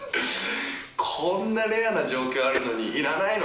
こんなレアな状況あるのにいらないの？